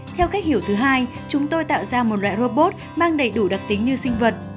theo cách hiểu thứ hai chúng tôi tạo ra một loại robot mang đầy đủ đặc tính như sinh vật